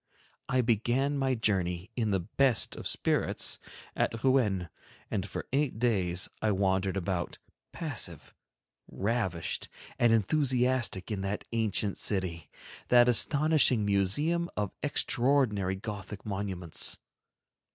I began my journey, in the best of spirits, at Rouen, and for eight days I wandered about, passive, ravished, and enthusiastic, in that ancient city, that astonishing museum of extraordinary Gothic monuments.